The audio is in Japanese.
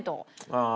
ああ。